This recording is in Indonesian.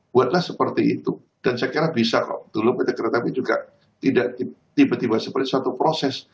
dulu punya kereta api juga tidak tiba tiba seperti satu proses